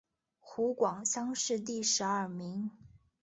湖广乡试第十二名。